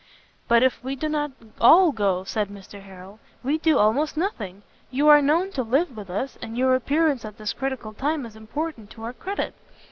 "But if we do not all go," said Mr Harrel, "we do almost nothing: you are known to live with us, and, your appearance at this critical time is important to our credit.